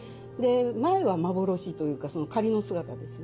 前は幻というか仮の姿ですよね。